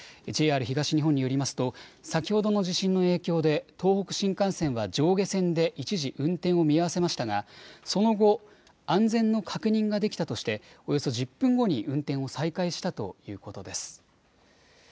ＪＲ東日本によりますと先ほどの地震の影響で東北新幹線は上下線で一時運転を見合わせましたがその後、安全の確認ができたとしておよそ１０分後に運転を再開したということです。